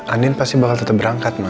andien pasti bakal tetap berangkat ma